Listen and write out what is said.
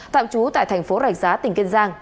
tạm trú tại thành phố rạch giá tỉnh kiên giang